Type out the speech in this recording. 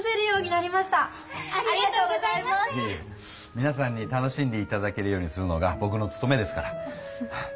みなさんに楽しんでいただけるようにするのがぼくのつとめですから。